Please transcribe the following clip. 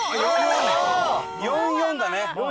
「４」「４」だね。